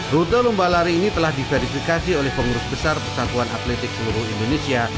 rute lomba lari ini telah diverifikasi oleh pengurus besar persatuan atletik seluruh indonesia